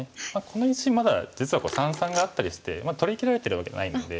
この石まだ実は三々があったりして取りきられてるわけではないので。